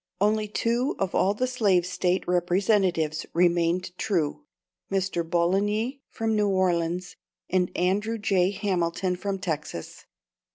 Only two of all the Slave State representatives remained true Mr. Bouligny from New Orleans, and Andrew J. Hamilton from Texas.